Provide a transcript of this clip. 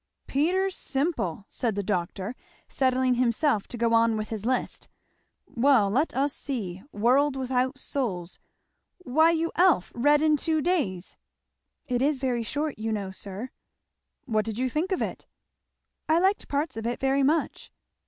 "' Peter Simple'!" said the doctor, settling himself to go on with his list; "well, let us see. ' World without Souls.' Why you Elf! read in two days." "It is very short, you know, sir." "What did you think of it?" "I liked parts of it very much."